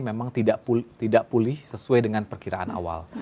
memang tidak pulih sesuai dengan perkiraan awal